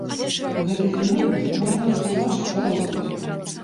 Гэты феномен можна растлумачыць па-рознаму.